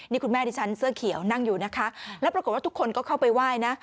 นี่คุณแม่ดิฉันเสื้อเขียวนั่งอยู่นะคะแล้วปรากฏว่าทุกคนก็เข้าไปไหว้นะ